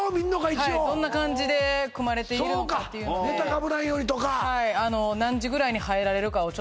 一応はいどんな感じで組まれているのかっていうのでそうかネタかぶらんようにとかはいはあ